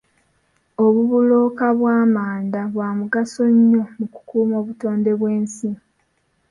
Obubulooka bw'amanda bwa mugaso nnyo mu kukuuma obutonde bw'ensi.